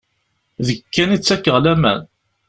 Deg-k kan i ttakeɣ laman.